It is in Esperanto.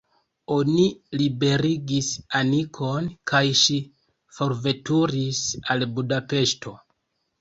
Oni liberigis Anikon, kaj ŝi forveturis al Budapeŝto.